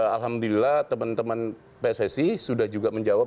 alhamdulillah teman teman pssi sudah juga menjawab